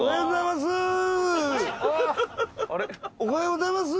おはようございます。